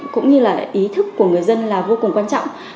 cũng như là ý thức của người dân là vô cùng quan trọng